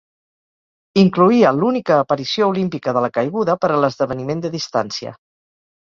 Incloïa l'única aparició olímpica de la caiguda per a l'esdeveniment de distància.